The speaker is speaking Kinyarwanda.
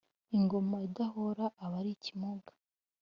Ingoma idahora aba ari ikimuga